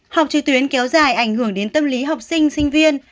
học trực tuyến kéo dài ảnh hưởng đến tâm lý học sinh sinh viên